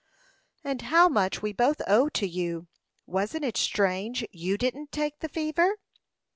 "And how much we both owe to you! Wasn't it strange you didn't take the fever?"